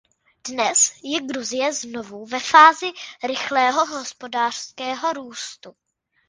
Dnes je Gruzie znovu ve fázi rychlého hospodářského růstu.